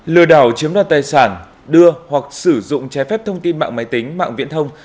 lừa đảo chiếm đoạt tài sản đưa hoặc sử dụng trái phép thông tin mạng máy tính mạng viễn thông